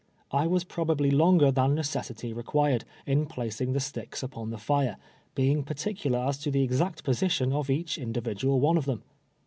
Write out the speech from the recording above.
I was probably longer than necessity required, in placing the sticks u2K>n the lire, being particular as to the exact position of each indi vidual one of them.